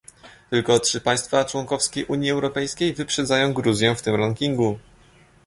Tylko trzy państwa członkowskie Unii Europejskiej wyprzedzają Gruzję w tym rankingu